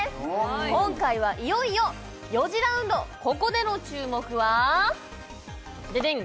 今回はいよいよ４次ラウンドここでの注目はデデン！